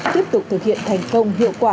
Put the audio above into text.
tiếp tục thực hiện thành công hiệu quả